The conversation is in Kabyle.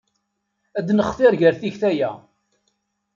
Ad nextir gar tikta-ya.